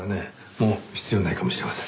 もう必要ないかもしれません。